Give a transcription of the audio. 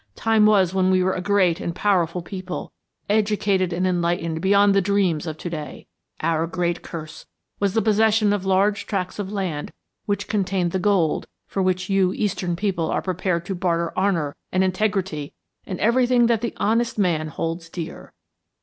Time was when we were a great and powerful people, educated and enlightened beyond the dreams of to day. Our great curse was the possession of large tracts of land which contained the gold for which you Eastern people are prepared to barter honor and integrity and everything that the honest man holds dear.